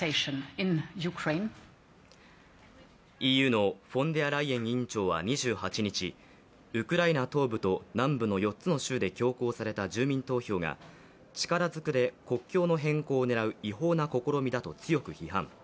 ＥＵのフォンデアライエン委員長は２８日、ウクライナ東部と南部の４つの州で強行された住民投票が力ずくで国境の変更を狙う違法な試みだと強く批判。